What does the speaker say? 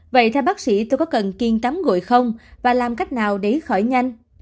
vậy theo bác sĩ tôi có cần kiên tắm gội không và làm cách nào để khỏi nhanh